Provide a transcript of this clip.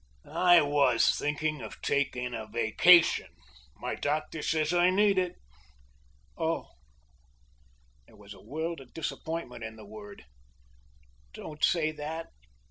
"I was thinking of taking a vacation. My doctor says I need it." "Oh!" There was a world of disappointment in the word. "Don't say that!